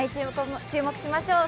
注目しましょう。